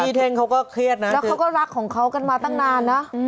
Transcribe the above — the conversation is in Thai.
เท่งเขาก็เครียดนะแล้วเขาก็รักของเขากันมาตั้งนานนะ